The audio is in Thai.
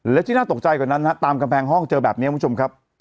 และที่น่าตกใจกว่านั้นฮะตามกำแพงห้องเจอแบบนี้คุณผู้ชมครับ